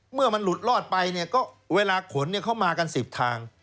เมื่อมันหลุดรอดไปเนี่ยก็เวลาขนเข้ามากัน๑๐ทาง